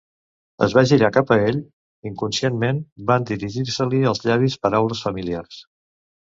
Es va girar cap a ell. Inconscientment, van dirigir-se-li als llavis paraules familiars.